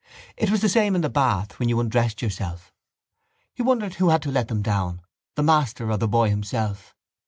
It was the same in the bath when you undressed yourself. He wondered who had to let them down, the master or the boy himself.